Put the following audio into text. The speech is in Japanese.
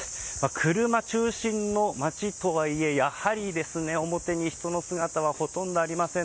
車中心の町とはいえ、やはり表に人の姿はほとんどありません。